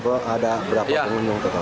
perharinya ada berapa pengunjung